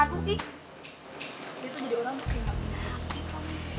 dia tuh jadi orang yang bikin mampir